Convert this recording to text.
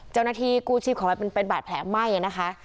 เจ้าหน้าที่กู้ชีพขอให้มันเป็นบาดแผลไหม้นะคะ